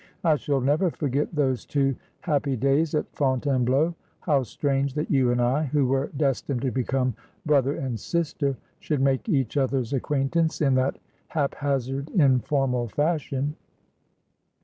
I shall never forget those two happy days at Fontainebleau. How strange that you and I, who were destined to become brother and sister, should make each other's acquaintance in that haphazard, in formal fashion